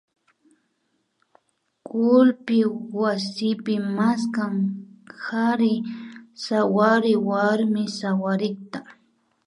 kullpi wasipi maskan kari sawarik warmi sawarikta